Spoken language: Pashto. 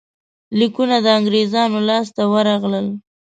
لیکونه د انګرېزانو لاسته ورغلل.